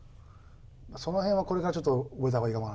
その辺はこれからちょっと覚えた方がいいかも。